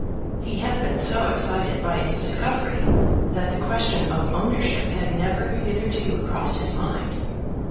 He had been so excited by its discovery that the question of ownership had never hitherto crossed his mind.